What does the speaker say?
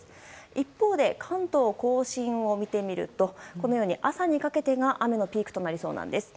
一方で、関東・甲信を見てみると朝にかけてが雨のピークとなりそうなんです。